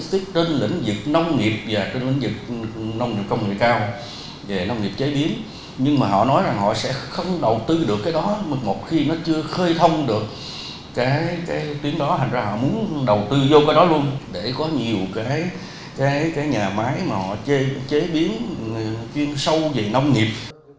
hành ra họ muốn đầu tư vô cái đó luôn để có nhiều cái nhà máy mà họ chế biến chuyên sâu về nông nghiệp